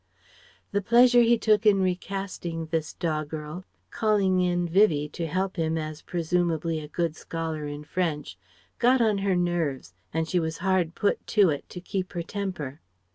The pleasure he took in recasting this doggerel calling in Vivie to help him as presumably a good scholar in French got on her nerves, and she was hard put to it to keep her temper.